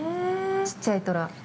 ちっちゃいトラ。